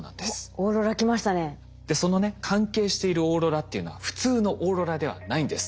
そのね関係しているオーロラっていうのは普通のオーロラではないんです。